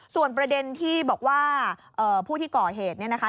ส่วนประเด็นที่บอกว่าผู้ที่ก่อเหตุเนี่ยนะคะ